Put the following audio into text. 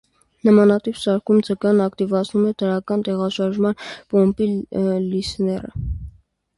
Նմանատիպ սարքում ձգանն ակտիվացնում է դրական տեղաշարժման պոմպի լիսեռը։